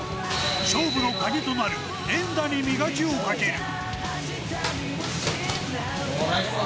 勝負のカギとなる連打に磨きをかける。